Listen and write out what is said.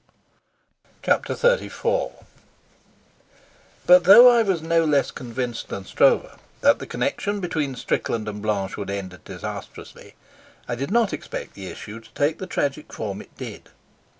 STROEVE, Chapter XXXIV But though I was no less convinced than Stroeve that the connection between Strickland and Blanche would end disastrously, I did not expect the issue to take the tragic form it did.